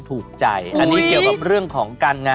พูดที่เกิดเดือนสิงหาโค